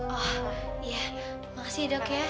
oh iya makasih dok ya